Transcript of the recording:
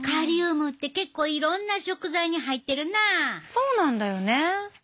そうなんだよね。